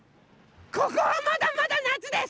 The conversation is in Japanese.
ここはまだまだなつです！